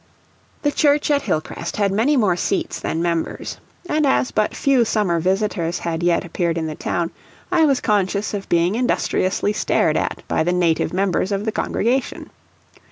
The church at Hillcrest had many more seats than members, and as but few summer visitors had yet appeared in the town, I was conscious of being industriously stared at by the native members of the congregation.